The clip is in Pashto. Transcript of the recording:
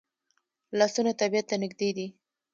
لاسونه طبیعت ته نږدې دي